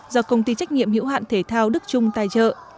do công ty trách nghiệm hiểu hạn thể thao đức trung tài trợ